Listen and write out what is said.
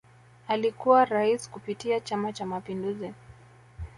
Alikuwa Rais kupitia Chama Cha Mapinduzi